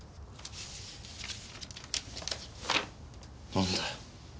なんだよ。